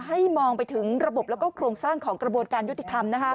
มองไปถึงระบบแล้วก็โครงสร้างของกระบวนการยุติธรรม